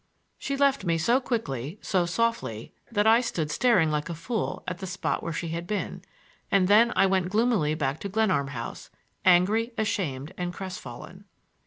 She left me so quickly, so softly, that I stood staring like a fool at the spot where she had been, and then I went gloomily back to Glenarm House, angry, ashamed and crestfallen.